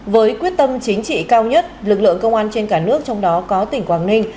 với quyết tâm chính trị cao nhất lực lượng công an trên cả nước trong đó có tỉnh quảng ninh